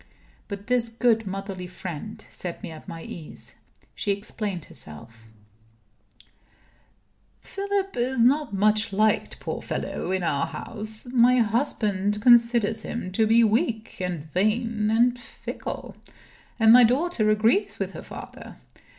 But this good motherly friend set me at my ease. She explained herself: "Philip is not much liked, poor fellow, in our house. My husband considers him to be weak and vain and fickle. And my daughter agrees with her father.